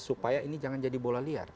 supaya ini jangan jadi bola liar